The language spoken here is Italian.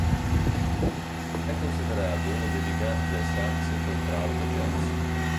È considerato uno dei giganti del sax contralto jazz.